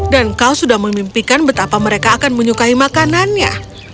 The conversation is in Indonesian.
dan kau sudah memimpikan betapa mereka akan menyukai makananmu